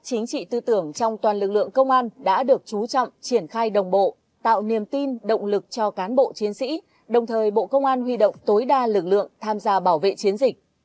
chính trị tư tưởng trong toàn lực lượng công an đã được chú trọng triển khai đồng bộ tạo niềm tin động lực cho cán bộ chiến sĩ đồng thời bộ công an huy động tối đa lực lượng tham gia bảo vệ chiến dịch